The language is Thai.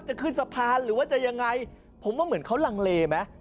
จะขึ้นสะพานหรือว่าจะยังไงผมว่าเหมือนเขาลังเลไหม